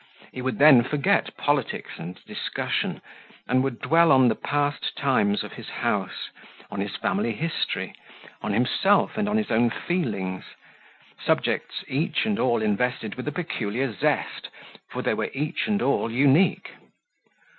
He would then forget politics and discussion, and would dwell on the past times of his house, on his family history, on himself and his own feelings subjects each and all invested with a peculiar zest, for they were each and all unique.